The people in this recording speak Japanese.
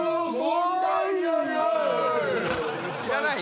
いらない？